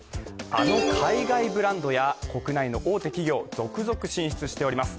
あの海外ブランドや国内の大手企業、続々進出しております。